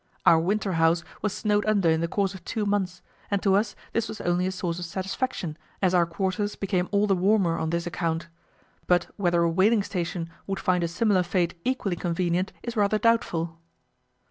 Our winter house was snowed under in the course of two months, and to us this was only a source of satisfaction, as our quarters became all the warmer on this account; but whether a whaling station would find a similar fate equally convenient is rather doubtful.